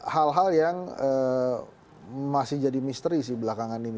hal hal yang masih jadi misteri sih belakangan ini